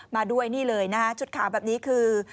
มาด้วยนี่เลยนะฮะชุดขาวแบบนี้คือ